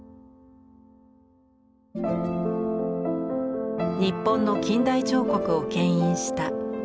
日本の近代彫刻をけん引した朝倉文夫。